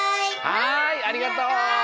はいありがとう！